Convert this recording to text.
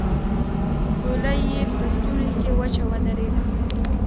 ګولۍ يې په ستونې کې وچه ودرېده.